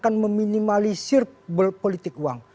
akan meminimalisir politik uang